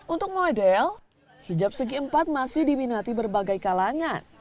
untuk model hijab segi empat masih diminati berbagai kalangan